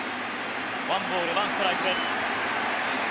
ワンボールワンストライクです。